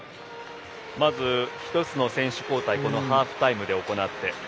まず１つの選手交代をこのハーフタイムで行って。